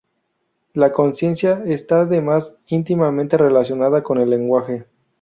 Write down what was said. La conciencia está además íntimamente relacionada con el lenguaje.